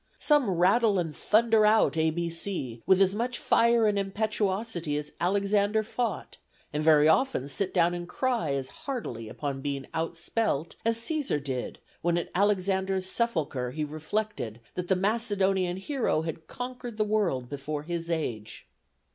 Some rattle and thunder out A B C, with as much fire and impetuosity as Alexander fought, and very often sit down and cry as heartily upon being outspelt, as Cæsar did, when at Alexander's sepulchre he reflected that the Macedonian hero had conquered the world before his age.